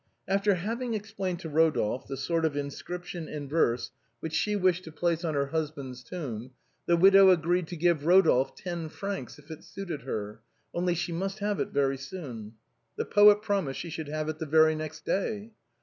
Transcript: After having explained to Eodolphe the sort of inscrip tion in verse which she wished to place on her husband's tomb, the widow agreed to give Eodolphe ten francs if it suited her — only she must have it very soon. The poet promised she should have it the very next day.